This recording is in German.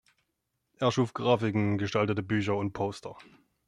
Er schuf Grafiken, gestaltete Bücher und Poster.